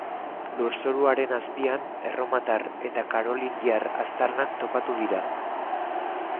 Lurzoruaren azpian erromatar eta karolingiar aztarnak topatu dira.